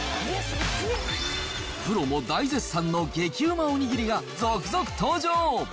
プロも大絶賛の激うまおにぎりが続々登場。